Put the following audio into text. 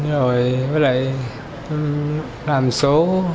rồi với lại làm số